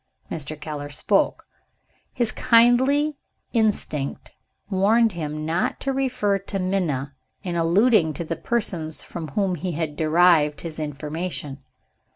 Mr. Keller spoke. His kindly instinct warned him not to refer to Minna, in alluding to the persons from whom he had derived his information.